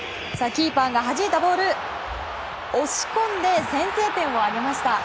キーパーがはじいたボールを押し込んで先制点を挙げました。